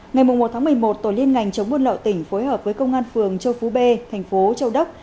ngày một một mươi một tổ liên ngành chống buôn lậu tỉnh phối hợp với công an phường châu phú b thành phố châu đốc